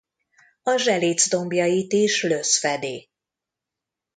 A Zselic dombjait is lösz fedi.